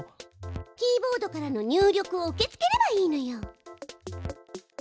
キーボードからの入力を受け付ければいいのよ。